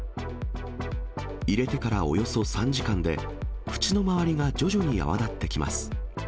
入れてからおよそ３時間で、縁の周りが徐々に泡立ってきます。